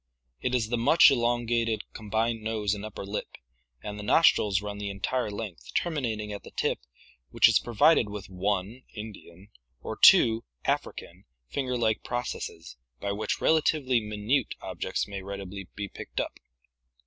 It is the much elongated combined nose and upper lip, and the nostrils run the entire length, terminating at the tip, which is provided with one (Indian) or two (African) finger like processes by which relatively minute objects may readily be picked up.